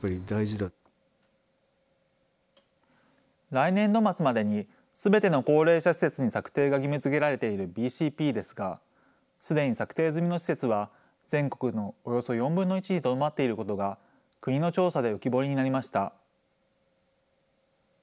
来年度末までにすべての高齢者施設に策定が義務づけられているＢＣＰですが、すでに策定済みの施設は、全国のおよそ４分の１にとどまっていることが、国の調査で浮き彫りになりました。